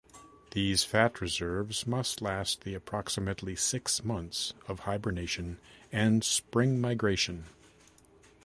These fat reserves must last the approximately six months of hibernation and spring migration.